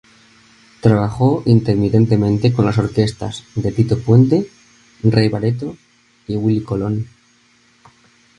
Trabajó intermitentemente con las orquestas de Tito Puente, Ray Barreto y Willie Colón.